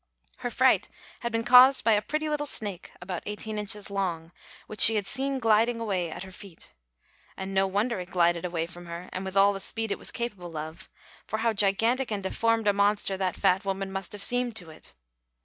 Her fright had been caused by a pretty little snake, about eighteen inches long, which she had seen gliding away at her feet. And no wonder it glided away from her with all the speed it was capable of, for how gigantic and deformed a monster that fat woman must have seemed to it!